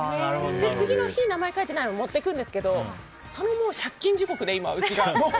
次の日、名前書いてないの持っていくんですけどうちは借金地獄で。